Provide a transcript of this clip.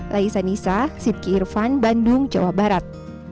saya nisa sidky irvan bandung jawa barat